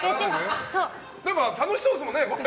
でも楽しそうですもんね。